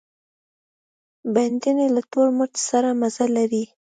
بېنډۍ له تور مرچ سره مزه لري